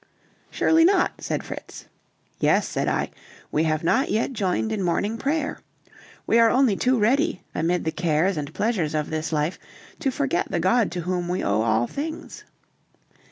"Surely not," said Fritz. "Yes," said I, "we have not yet joined in morning prayer. We are only too ready, amid the cares and pleasures of this life, to forget the God to whom we owe all things."